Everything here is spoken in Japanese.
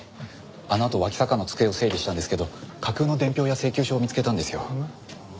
あのあと脇坂の机を整理したんですけど架空の伝票や請求書を見つけたんですよ。